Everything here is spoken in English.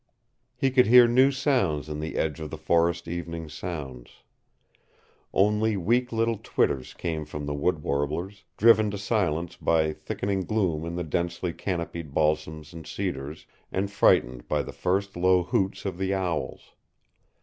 He could hear new sounds in the edge of the forest evening sounds. Only weak little twitters came from the wood warblers, driven to silence by thickening gloom in the densely canopied balsams and cedars, and frightened by the first low hoots of the owls.